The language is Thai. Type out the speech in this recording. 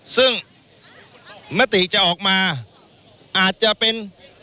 ซึ่งมติจะออกมาอาจจะเป็น